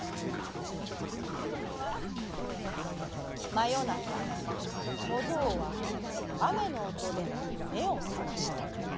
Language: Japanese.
まよなかこぞうはあめのおとでめをさました。